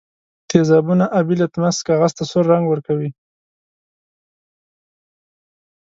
تیزابونه آبي لتمس کاغذ ته سور رنګ ورکوي.